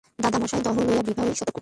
দাদামহাশয়ের দখল লইয়া বিভা অতিশয় সতর্ক।